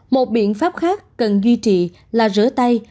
một biện pháp khác cần duy trì là rửa tay